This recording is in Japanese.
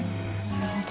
なるほど。